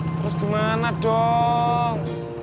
terus gimana dong